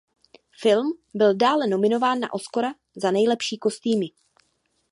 Film byl dále nominován na Oscara za nejlepší kostýmy.